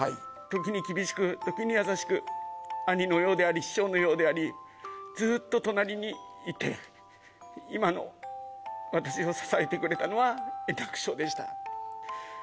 時に厳しく、時に優しく、兄のようであり、師匠のようであり、ずっと隣にいて、今の私を支えてくれたのは、円楽師匠でした。